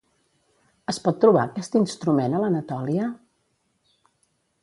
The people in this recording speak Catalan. Es pot trobar aquest instrument a l'Anatòlia?